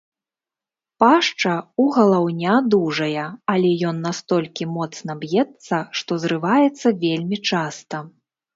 Пашча ў галаўня дужая, але ён настолькі моцна б'ецца, што зрываецца вельмі часта.